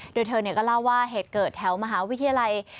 โดยเธอก็เล่าว่าเหตุเกิดแถวมหาวิทยาลัย